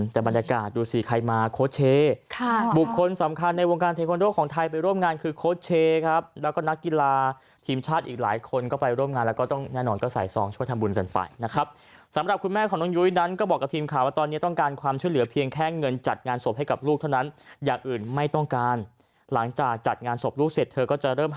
ภูมิคุณภูมิคุณภูมิคุณภูมิคุณภูมิคุณภูมิคุณภูมิคุณภูมิคุณภูมิคุณภูมิคุณภูมิคุณภูมิคุณภูมิคุณภูมิคุณภูมิคุณภูมิคุณภูมิคุณภูมิคุณภูมิคุณภูมิคุณภูมิคุณภูมิคุณภูมิคุณภูมิคุณภูมิ